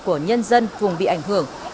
của nhân dân vùng bị ảnh hưởng